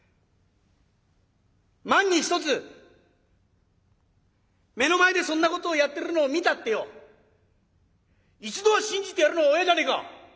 万に一つ目の前でそんなことをやってるのを見たってよ一度は信じてやるのが親じゃねえか。